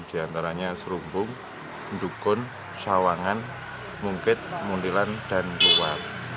diantaranya serumpung indukun sawangan mungkit muntilan dan luar